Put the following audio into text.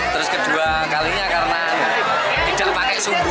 terus kedua kalinya karena tidak pakai sumbu